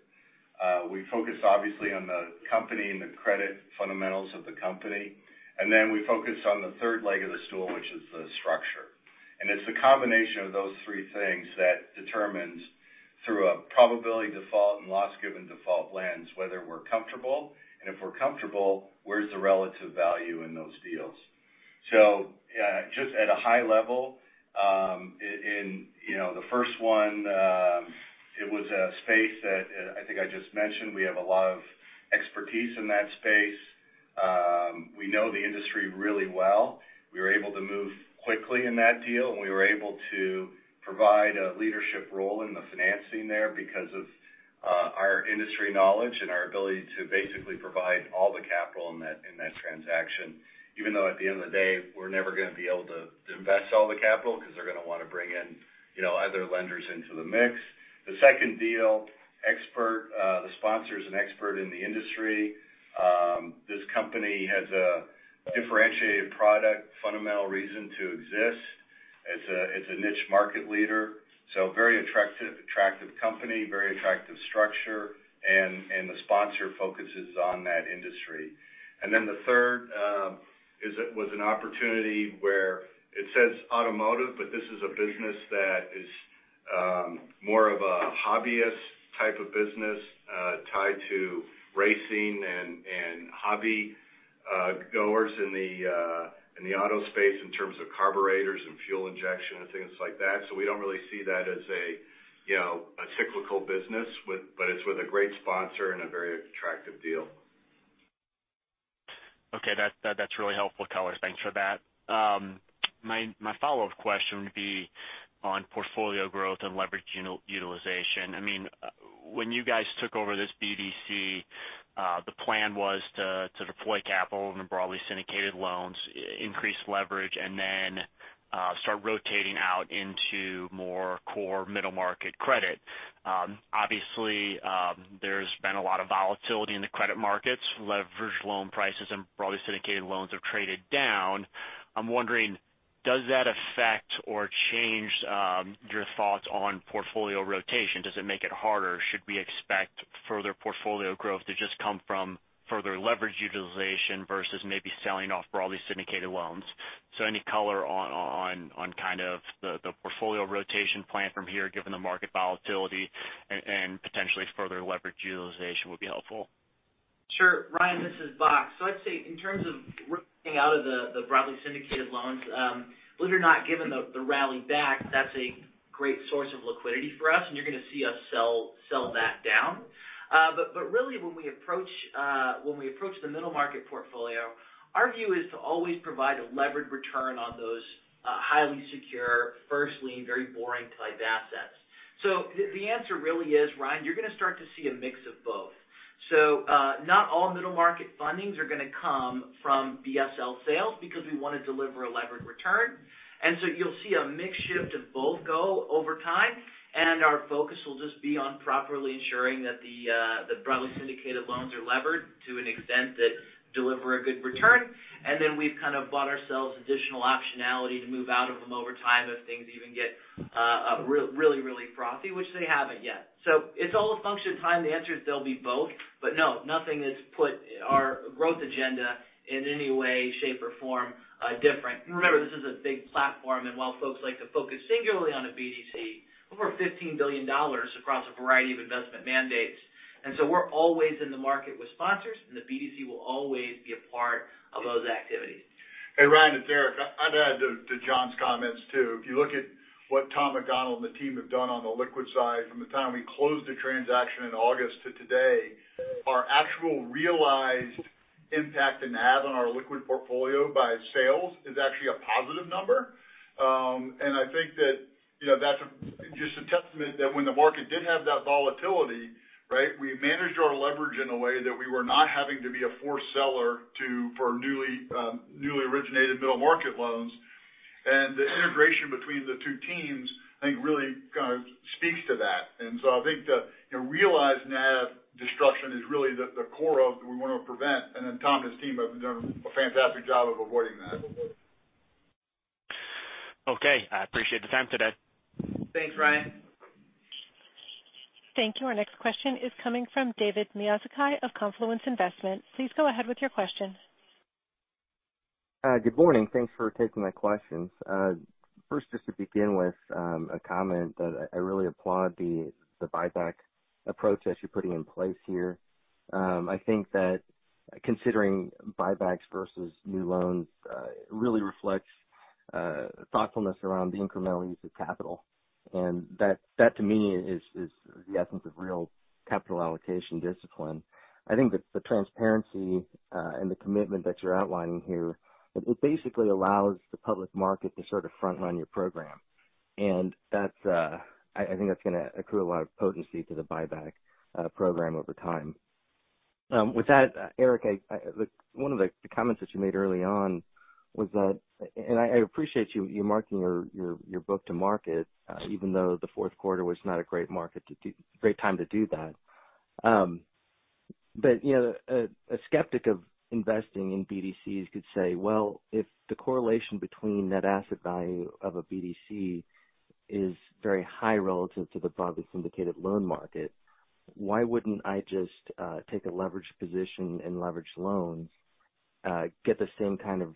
We focus obviously on the company and the credit fundamentals of the company, and then we focus on the third leg of the stool, which is the structure. It's the combination of those three things that determines through a probability default and loss given default lens, whether we're comfortable. If we're comfortable, where's the relative value in those deals? Just at a high level, in the first one, it was a space that I think I just mentioned. We have a lot of expertise in that space. We know the industry really well. We were able to move quickly in that deal, we were able to provide a leadership role in the financing there because of our industry knowledge and our ability to basically provide all the capital in that transaction. Even though at the end of the day, we're never going to be able to invest all the capital because they're going to want to bring in other lenders into the mix. The second deal, the sponsor is an expert in the industry. This company has a differentiated product, fundamental reason to exist. It's a niche market leader. Very attractive company, very attractive structure, and the sponsor focuses on that industry. The third was an opportunity where it says automotive, this is a business that is more of a hobbyist type of business tied to racing and hobby goers in the auto space in terms of carburetors and fuel injection and things like that. We don't really see that as a cyclical business. It's with a great sponsor and a very attractive deal. Okay. That's really helpful color. Thanks for that. My follow-up question would be on portfolio growth and leverage utilization. When you guys took over this BDC, the plan was to deploy capital into broadly syndicated loans, increase leverage, start rotating out into more core middle market credit. Obviously, there's been a lot of volatility in the credit markets. Leveraged loan prices and broadly syndicated loans have traded down. I'm wondering, does that affect or change your thoughts on portfolio rotation? Does it make it harder? Should we expect further portfolio growth to just come from further leverage utilization versus maybe selling off broadly syndicated loans? Any color on the portfolio rotation plan from here given the market volatility and potentially further leverage utilization would be helpful. Sure. Ryan, this is Bock. I'd say in terms of rotating out of the broadly syndicated loans, believe it or not given the rally back, that's a great source of liquidity for us, and you're going to see us sell that down. Really when we approach the middle market portfolio, our view is to always provide a levered return on those highly secure first-lien, very boring type assets. The answer really is, Ryan, you're going to start to see a mix of both. Not all middle market fundings are going to come from BSL sales because we want to deliver a levered return. You'll see a mix shift of both go over time, and our focus will just be on properly ensuring that the broadly syndicated loans are levered to an extent that deliver a good return. Then we've kind of bought ourselves additional optionality to move out of them over time if things even get really, really frothy, which they haven't yet. It's all a function of time. The answer is they'll be both. No, nothing that's put our growth agenda in any way, shape, or form different. Remember, this is a big platform, and while folks like to focus singularly on a BDC over $15 billion across a variety of investment mandates. We're always in the market with sponsors, and the BDC will always be a part of those activities. Hey, Ryan, it's Eric. I'd add to John's comments, too. If you look at what Tom McDonald and the team have done on the liquid side from the time we closed the transaction in August to today, our actual realized impact and NAV on our liquid portfolio by sales is actually a positive number. I think that's just a testament that when the market did have that volatility, we managed our leverage in a way that we were not having to be a forced seller for newly originated middle market loans. The integration between the two teams, I think really kind of speaks to that. I think the realized NAV destruction is really the core of what we want to prevent. Then Tom and his team have done a fantastic job of avoiding that. Okay. I appreciate the time today. Thanks, Ryan. Thank you. Our next question is coming from David Miyazaki of Confluence Investment. Please go ahead with your question. Good morning. Thanks for taking my questions. First, just to begin with, a comment that I really applaud the buyback approach that you're putting in place here. I think that considering buybacks versus new loans, really reflects thoughtfulness around the incremental use of capital. That to me is the essence of real capital allocation discipline. I think that the transparency and the commitment that you're outlining here, it basically allows the public market to sort of frontline your program. I think that's going to accrue a lot of potency to the buyback program over time. With that, Eric, one of the comments that you made early on was that. I appreciate you marking your book to market, even though the fourth quarter was not a great time to do that. A skeptic of investing in BDCs could say, well, if the correlation between net asset value of a BDC is very high relative to the broadly syndicated loan market, why wouldn't I just take a leveraged position in leveraged loans, get the same kind of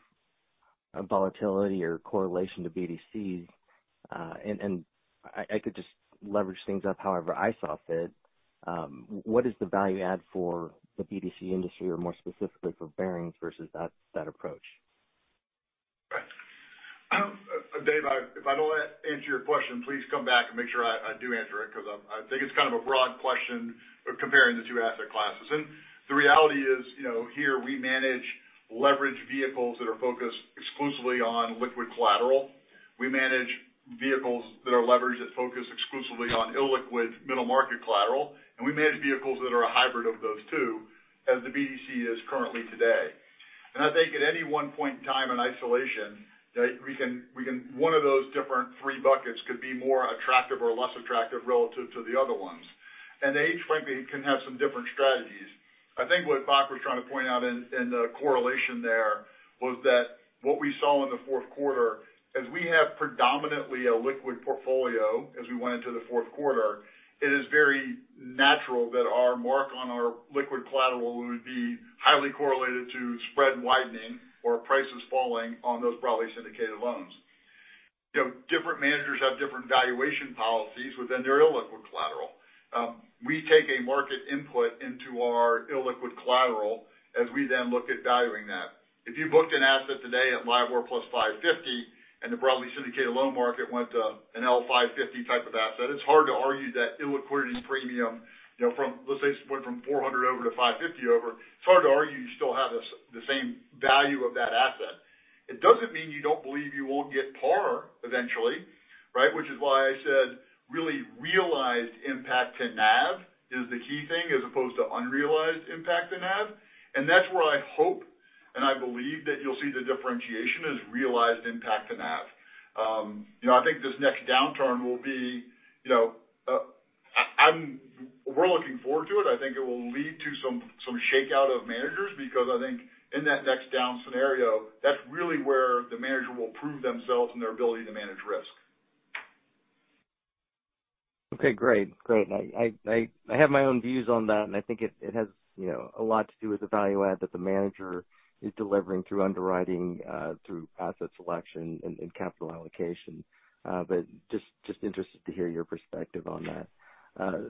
volatility or correlation to BDCs, and I could just leverage things up however I saw fit. What is the value add for the BDC industry or more specifically for Barings versus that approach? Right. David, if I don't answer your question, please come back and make sure I do answer it, because I think it's kind of a broad question comparing the two asset classes. The reality is, here we manage leverage vehicles that are focused exclusively on liquid collateral. We manage vehicles that are leveraged, that focus exclusively on illiquid middle market collateral. We manage vehicles that are a hybrid of those two, as the BDC is currently today. I think at any one point in time, in isolation, one of those different three buckets could be more attractive or less attractive relative to the other ones. They each, frankly, can have some different strategies. I think what Bock was trying to point out in the correlation there was that what we saw in the fourth quarter, as we have predominantly a liquid portfolio as we went into the fourth quarter, it is very natural that our mark on our liquid collateral would be highly correlated to spread widening or prices falling on those broadly syndicated loans. Different managers have different valuation policies within their illiquid collateral. We take a market input into our illiquid collateral as we then look at valuing that. If you booked an asset today at LIBOR plus 550 and the broadly syndicated loan market went to an L550 type of asset, it's hard to argue that illiquidity premium, let's say it went from 400 over to 550 over, it's hard to argue you still have the same value of that asset. It doesn't mean you don't believe you won't get par eventually, right? Which is why I said really realized impact to NAV is the key thing as opposed to unrealized impact to NAV. That's where I hope and I believe that you'll see the differentiation is realized impact to NAV. We're looking forward to it. I think it will lead to some shakeout of managers because I think in that next down scenario, that's really where the manager will prove themselves and their ability to manage risk. Okay, great. I have my own views on that, I think it has a lot to do with the value add that the manager is delivering through underwriting, through asset selection, and capital allocation. Just interested to hear your perspective on that.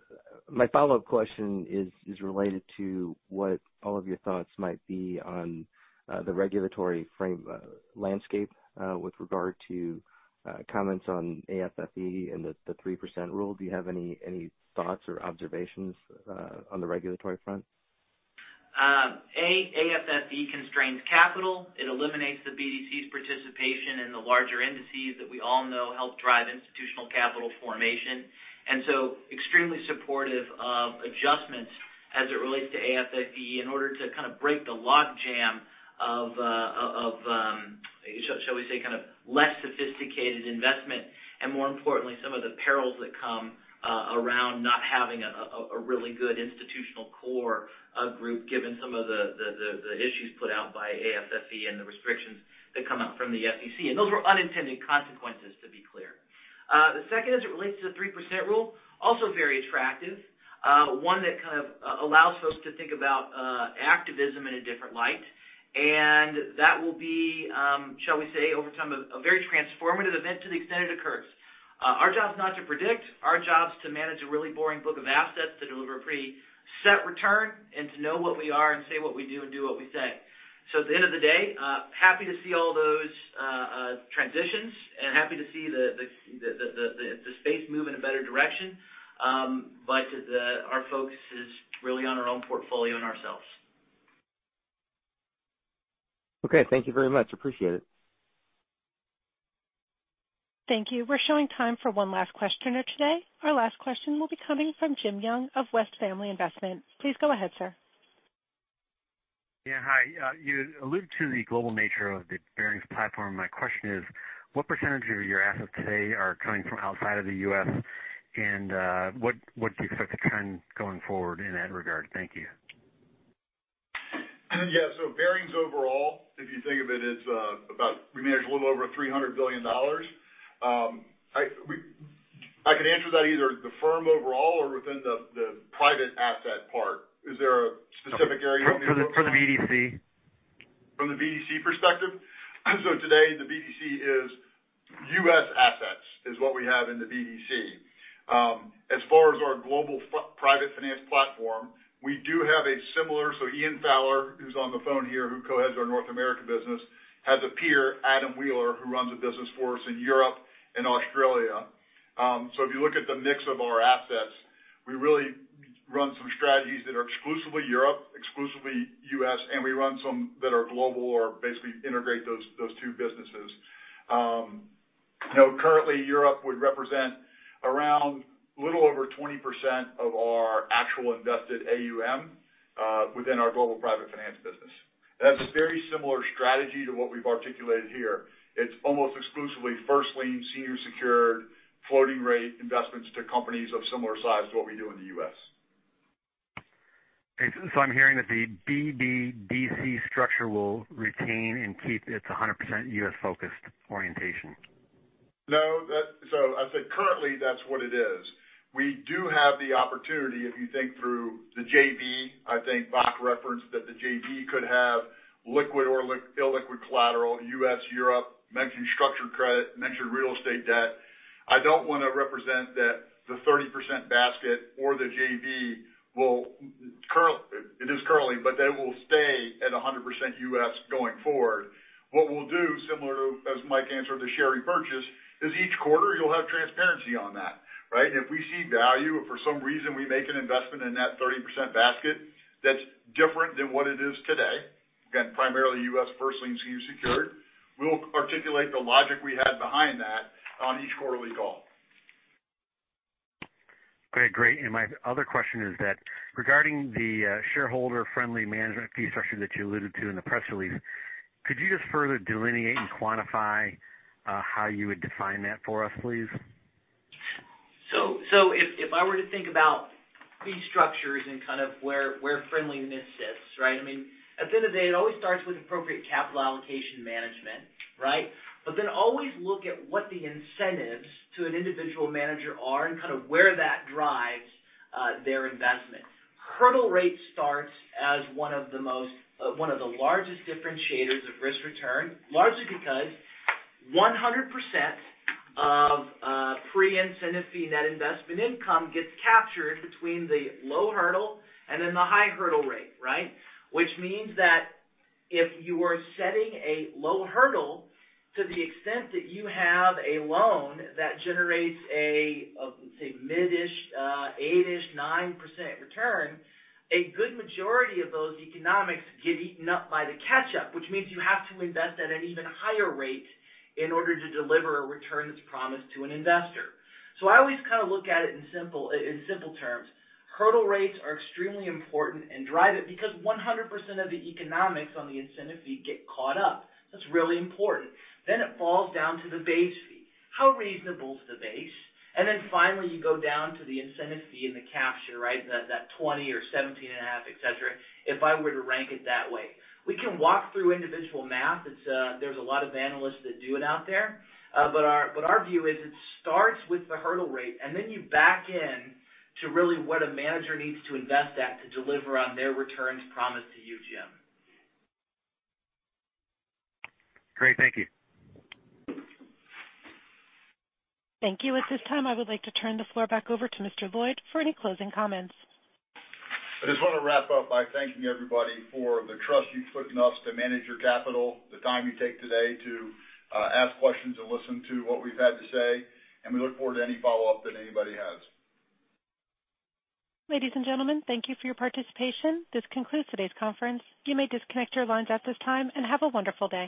My follow-up question is related to what all of your thoughts might be on the regulatory frame landscape with regard to comments on AFFE and the 3% rule. Do you have any thoughts or observations on the regulatory front? AFFE constrains capital. It eliminates the BDC's participation in the larger indices that we all know help drive institutional capital formation. Extremely supportive of adjustments as it relates to AFFE in order to kind of break the logjam of, shall we say, kind of less sophisticated investment and more importantly, some of the perils that come around not having a really good institutional core group given some of the issues put out by AFFE and the restrictions that come out from the SEC. Those were unintended consequences, to be clear. The second, as it relates to the 3% rule, also very attractive. One that kind of allows folks to think about activism in a different light. That will be, shall we say, over time, a very transformative event to the extent it occurs. Our job is not to predict. Our job is to manage a really boring book of assets, to deliver a pretty set return, and to know what we are and say what we do and do what we say. At the end of the day, happy to see all those transitions and happy to see the space move in a better direction. Our focus is really on our own portfolio and ourselves. Okay. Thank you very much. Appreciate it. Thank you. We're showing time for one last questioner today. Our last question will be coming from Jim Young of West Family Investments. Please go ahead, sir. Hi. You alluded to the global nature of the Barings platform. My question is, what percentage of your assets today are coming from outside of the U.S., and what do you expect to trend going forward in that regard? Thank you. Barings overall, if you think of it, we manage a little over $300 billion. I can answer that either the firm overall or within the private asset part. Is there a specific area you want me to focus? For the BDC. From the BDC perspective? Today the BDC is U.S. assets, is what we have in the BDC. As far as our global private finance platform, we do have a similar. Ian Fowler, who's on the phone here, who co-heads our North America business, has a peer, Adam Wheeler, who runs a business for us in Europe and Australia. If you look at the mix of our assets, we really run some strategies that are exclusively Europe, exclusively U.S., and we run some that are global or basically integrate those two businesses. Currently, Europe would represent around a little over 20% of our actual invested AUM within our global private finance business. That's a very similar strategy to what we've articulated here. It's almost exclusively first lien, senior secured floating rate investments to companies of similar size to what we do in the U.S. I'm hearing that the BBDC structure will retain and keep its 100% U.S.-focused orientation. No. I said currently, that's what it is. We do have the opportunity, if you think through the JV, I think Bock referenced that the JV could have liquid or illiquid collateral, U.S., Europe, mentioned structured credit, mentioned real estate debt. I don't want to represent that the 30% basket or the JV. It is currently, but that it will stay at 100% U.S. going forward. What we'll do, similar to as Mike answered the share repurchase, is each quarter you'll have transparency on that, right? If we see value, if for some reason we make an investment in that 30% basket that's different than what it is today, again, primarily U.S. first lien, senior secured, we'll articulate the logic we had behind that on each quarterly call. Okay, great. My other question is that regarding the shareholder-friendly management fee structure that you alluded to in the press release, could you just further delineate and quantify how you would define that for us, please? If I were to think about fee structures and kind of where friendliness sits, right? I mean, at the end of the day, it always starts with appropriate capital allocation management, right? Always look at what the incentives to an individual manager are and kind of where that drives their investment. Hurdle rate starts as one of the largest differentiators of risk return, largely because 100% of pre-incentive fee net investment income gets captured between the low hurdle and then the high hurdle rate, right? Which means that if you are setting a low hurdle, to the extent that you have a loan that generates a, let's say, mid-ish, eight-ish, 9% return, a good majority of those economics get eaten up by the catch-up, which means you have to invest at an even higher rate in order to deliver a return that's promised to an investor. I always kind of look at it in simple terms. Hurdle rates are extremely important and drive it because 100% of the economics on the incentive fee get caught up. That's really important. It falls down to the base fee. How reasonable is the base? Finally, you go down to the incentive fee and the capture, right? That 20 or 17 and a half, et cetera. If I were to rank it that way. We can walk through individual math. There's a lot of analysts that do it out there. Our view is it starts with the hurdle rate, and then you back in to really what a manager needs to invest at to deliver on their returns promised to you, Jim. Great. Thank you. Thank you. At this time, I would like to turn the floor back over to Mr. Lloyd for any closing comments. I just want to wrap up by thanking everybody for the trust you've put in us to manage your capital, the time you take today to ask questions and listen to what we've had to say, and we look forward to any follow-up that anybody has. Ladies and gentlemen, thank you for your participation. This concludes today's conference. You may disconnect your lines at this time. Have a wonderful day.